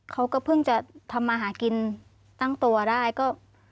เขาก็เพิ่งจะทำมาหากินตั้งตัวได้ก็